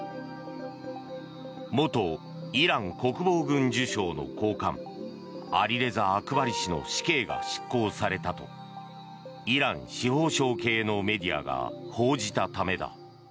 元イラン国防軍需省の高官アリレザ・アクバリ氏の死刑が執行されたとイラン司法省系のメディアが報じたためだ。